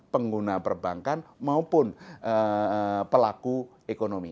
pengguna perbankan maupun pelaku ekonomi